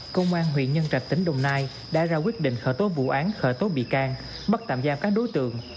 công an huyện nhân trạch tỉnh đồng nai đã ra quyết định khởi tố vụ án khởi tố bị can bắt tạm giam các đối tượng